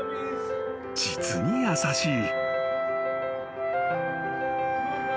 ［実に優しい］